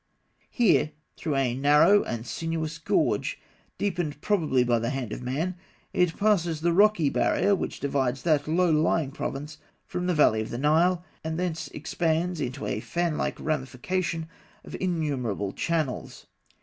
Here, through a narrow and sinuous gorge, deepened probably by the hand of man, it passes the rocky barrier which divides that low lying province from the valley of the Nile, and thence expands into a fanlike ramification of innumerable channels.